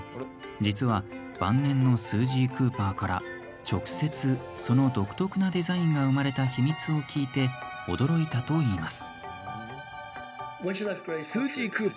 実は晩年のスージー・クーパーから直接その独特なデザインが生まれた秘密を聞いて驚いたといいます。